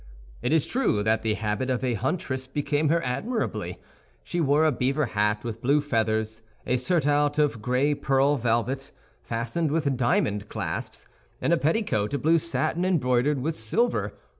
It is true that the habit of a huntress became her admirably. She wore a beaver hat with blue feathers, a surtout of gray pearl velvet, fastened with diamond clasps, and a petticoat of blue satin, embroidered with silver.